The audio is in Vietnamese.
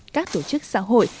các tổ chức xã hội